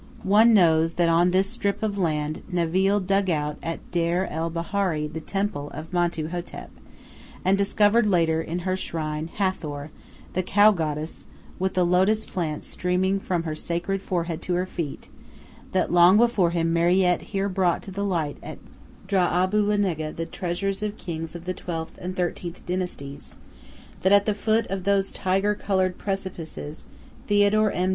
One knows that on this strip of land Naville dug out at Deir el Bahari the temple of Mentu hotep, and discovered later, in her shrine, Hathor, the cow goddess, with the lotus plants streaming from her sacred forehead to her feet; that long before him Mariette here brought to the light at Drah abu'l Neggah the treasures of kings of the twelfth and thirteenth dynasties; that at the foot of those tiger colored precipices Theodore M.